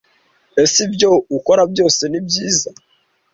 ese ibyo ukora byose ni byiza